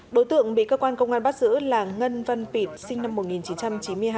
đối tượng bị cơ quan công an bắt giữ là ngân văn pịt sinh năm một nghìn chín trăm chín mươi hai